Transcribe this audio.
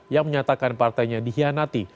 yang menyatakan partainya dihianati